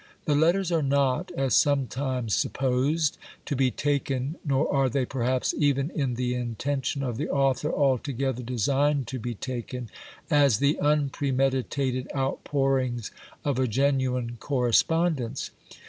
The letters are not, as sometimes supposed, to be taken, nor are they perhaps even in the intention of the author altogether designed to be taken, as the unpremeditated out pourings of a genuine correspondence.